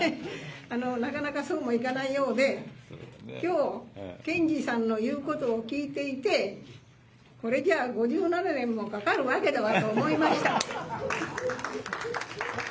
なかなかそうもいかないようで、きょう、検事さんの言うことを聞いていて、これじゃあ５７年もかかるわけだわと思いました。